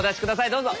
どうぞ。